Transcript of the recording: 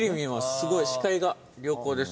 すごい視界が良好です。